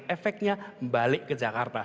efeknya balik ke jakarta